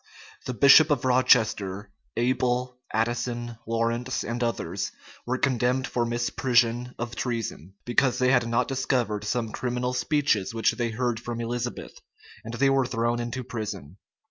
The bishop of Rochester, Abel, Addison, Lawrence, and others were condemned for misprision of treason; because they had not discovered some criminal speeches which they heard from Elizabeth;[] and they were thrown into prison.